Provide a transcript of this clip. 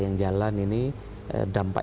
yang jalan ini dampak